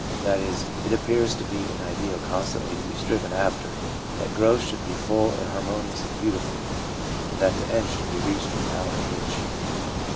That is, it appears to be an ideal constantly to be striven after, that growth should be full and harmonious and beautiful, and that the end should be reached without a hitch.